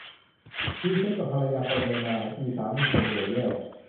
มีเซ็กส์กับภรรยาคนเดิมมาหลายปีสามีคงเบื่อแย่